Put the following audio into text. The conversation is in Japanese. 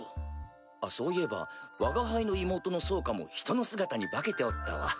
あっそういえばわが輩の妹のソーカも人の姿に化けておったわ。